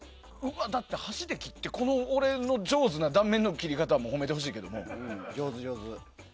だって、箸で切って俺の上手な断面の切り方も褒めてほしいけども。